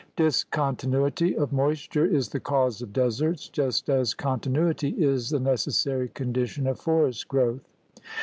Discontinuity of moisture is the cause of deserts, just as continuity is the necessary condition of forest growth.